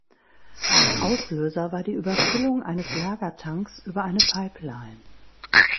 Auslöser war die Überfüllung eines Lagertanks über eine Pipeline.